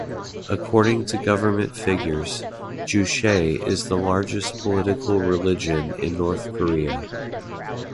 According to government figures, Juche is the largest political religion in North Korea.